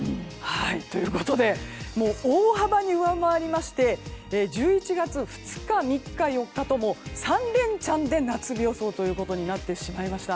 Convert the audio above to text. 大幅に上回りまして１１月２日、３日、４日とも３連チャンで夏日予想となってしまいました。